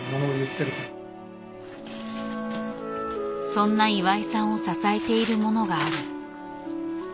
そんな岩井さんを支えているものがある。